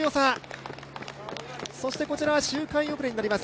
こちらは周回遅れになります